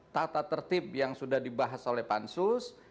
tata tertib yang sudah dibahas oleh pansus